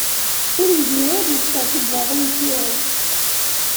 Ur yezmir ara ad d-yekter tibwaḍin n tirawt.